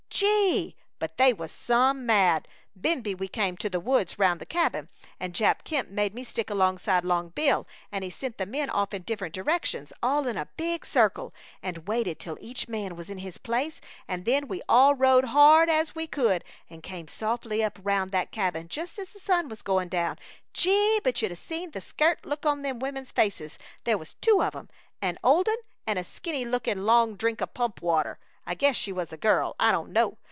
Gee! but they was some mad! Bimeby we came to the woods round the cabin, and Jap Kemp made me stick alongside Long Bill, and he sent the men off in different directions all in a big circle, and waited till each man was in his place, and then we all rode hard as we could and came softly up round that cabin just as the sun was goin' down. Gee! but you'd oughta seen the scairt look on them women's faces; there was two of 'em an old un an' a skinny looking long drink o' pump water. I guess she was a girl. I don't know.